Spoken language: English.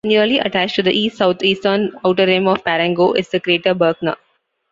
Nearly attached to the east-southeastern outer rim of Parengo is the crater Berkner.